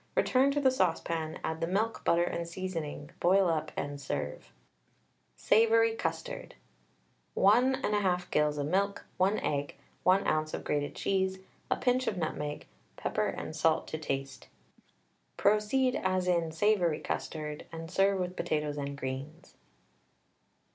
Return to the saucepan, add the milk, butter, and seasoning, boil up, and serve. SAVOURY CUSTARD. 1 1/2 gills of milk, 1 egg, 1 oz. of grated cheese, a pinch of nutmeg, pepper and salt to taste. Proceed as in savoury custard, and serve with potatoes and greens.